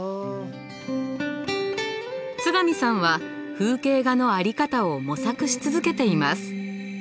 津上さんは風景画の在り方を模索し続けています。